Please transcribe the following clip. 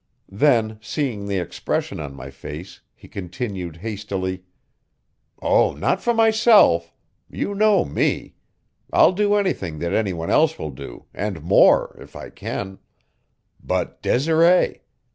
Then, seeing the expression on my face, he continued hastily: "Oh, not for myself. You know me; I'll do anything that any one else will do, and more, if I can. But Desiree!